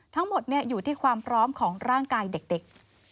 ทั้งหมดอยู่ที่ความพร้อมของร่างกายเด็ก